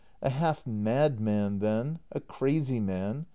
] A half mad man then! A crazy man!